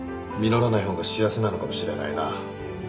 実らないほうが幸せなのかもしれないな。